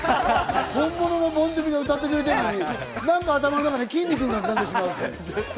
本物のボン・ジョヴィが歌ってくれてるのに、なんか頭の中で、きんに君が出てきてしまう。